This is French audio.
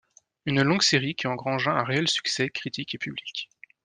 Une longue série qui engrangea un réel succès critique et public.